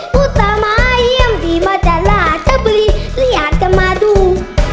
พูดต่อมาเยี่ยมดีมาจะล่าจะบีหรืออยากจะมาดู